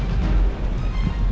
bapak baik sekali